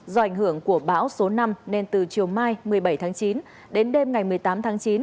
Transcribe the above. do ảnh hưởng của bão số năm nên từ chiều mai một mươi bảy tháng chín đến đêm ngày một mươi tám tháng chín